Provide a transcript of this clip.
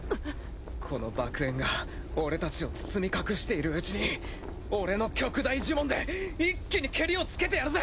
この爆炎が俺たちを包み隠しているうちに俺の極大呪文で一気にケリをつけてやるぜ。